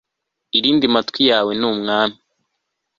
irindi matwi yawe ni umwami